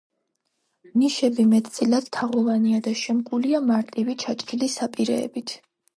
ნიშები მეტწილად თაღოვანია და შემკულია მარტივი ჩაჭრილი საპირეებით.